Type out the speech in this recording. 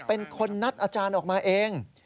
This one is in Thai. เป็นคนนัดอาจารย์ออกมาเอง